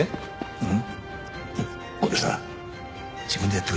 うん。